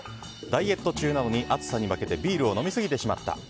ダイエット中なのに暑さに負けてビールを飲みすぎてしまった。